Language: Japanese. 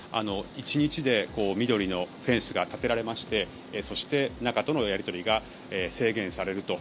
１日で緑のフェンスが立てられましてそして、中とのやり取りが制限されると。